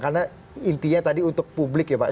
karena intinya tadi untuk publik ya pak